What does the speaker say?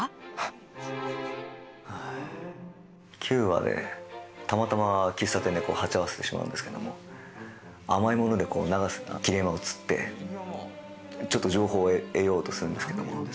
９話でたまたま喫茶店で鉢合わせてしまうんですけども甘い物で永瀬が桐山を釣ってちょっと情報を得ようとするんですけども。